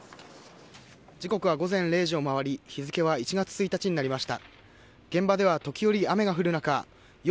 時刻は午前０時を回り日付は１月１日になりました。